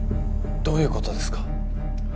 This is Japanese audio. どういうことですか？